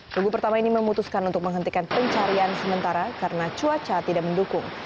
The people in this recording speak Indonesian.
rugu pertama ini memutuskan untuk menghentikan pencarian sementara karena cuaca tidak mendukung